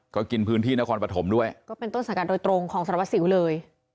ก็กินพื้นที่นครปฐมด้วยก็เป็นต้นสังกัดโดยตรงของสารวัสสิวเลย